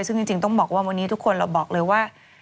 ซึ่งจริงต้องบอกว่าวันนี้ทุกคนเราบอกเลยว่า